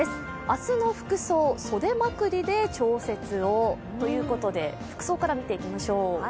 明日の服装、袖まくりで調節をということで服装から見ていきましょう。